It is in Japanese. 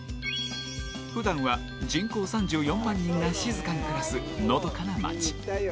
普段は人口３４万人が静かに暮らすのどかな街。